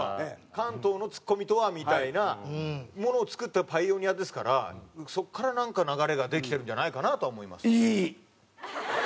関東のツッコミとはみたいなものを作ったパイオニアですからそこからなんか流れができてるんじゃないかなとは思います。